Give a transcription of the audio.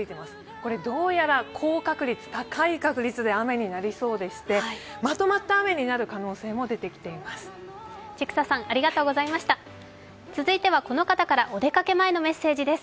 これはどうやら高い確率で雨になりそうで、まとまった雨になる可能性もあります。